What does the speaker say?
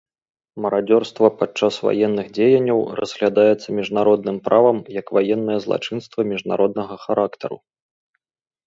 Марадзёрства падчас ваенных дзеянняў разглядаецца міжнародным правам як ваеннае злачынства міжнароднага характару.